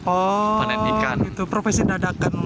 oh gitu profesi dadakan